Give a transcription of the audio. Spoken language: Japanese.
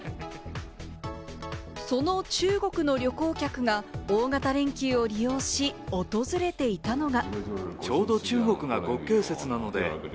その中国の旅行客が大型連休を利用し、訪れていたのが。